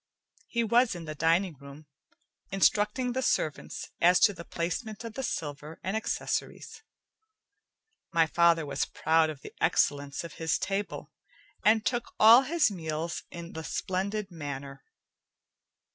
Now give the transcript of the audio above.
He was in the dining room, instructing the servants as to the placement of the silver and accessories. My father was proud of the excellence of his table, and took all his meals in the splendid manner.